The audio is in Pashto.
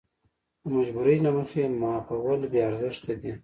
د مجبورۍ له مخې معافول بې ارزښته دي.